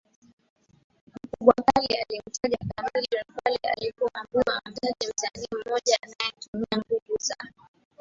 mkubwa mkali alimtaja Chameleon pale alipoambiwa amtaje msanii mmoja anayetumia nguvu za